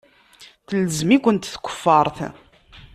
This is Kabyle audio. Telzem-ikent tkeffart.